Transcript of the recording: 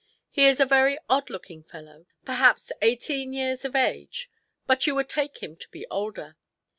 He is a very odd looking fellow, perhaps eighteen years of age, but you would take him to be older.